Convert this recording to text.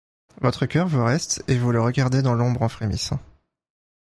Votre coeur vous reste, et vous le regardez dans l'ombre en frémissant.